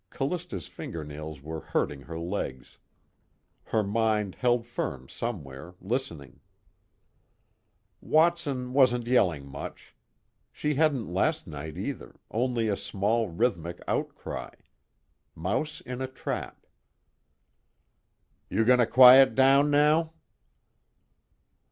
Callista's fingernails were hurting her legs. Her mind held firm somewhere, listening. Watson wasn't yelling much. She hadn't last night either, only a small rhythmic outcry. Mouse in a trap. "You gonna quiet down now?"